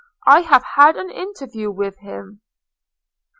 I have had an interview with him."